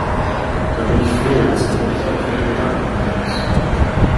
Da bin ich froh, dass ich mir nicht auch noch ihre Gedanken anhören muss.